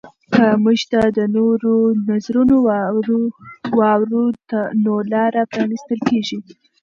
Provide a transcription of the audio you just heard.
که موږ د نورو نظرونه واورو نو لاره پرانیستل کیږي.